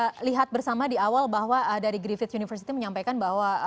kita lihat bersama di awal bahwa dari griffith university menyampaikan bahwa